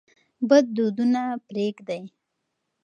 بد دودونه پرېږدئ.